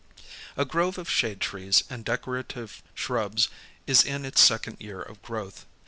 A grove of shade trees and decorative shrubs is in its second year of growth.